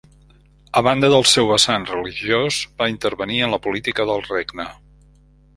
A banda del seu vessant religiós, va intervenir en la política del regne.